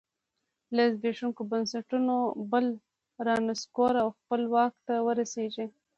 له زبېښونکو بنسټونو بل رانسکور او خپله واک ته ورسېږي.